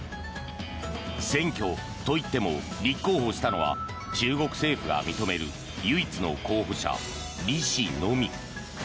選挙といっても立候補したのは中国政府が認める唯一の候補者、リ氏のみ。